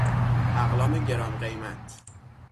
اقلام گرانقیمت